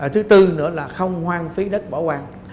thứ tư nữa là không hoang phí đất bỏ hoang